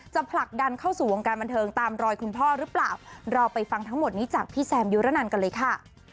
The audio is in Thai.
ผลักดันเข้าสู่วงการบันเทิงตามรอยคุณพ่อหรือเปล่าเราไปฟังทั้งหมดนี้จากพี่แซมยุระนันกันเลยค่ะ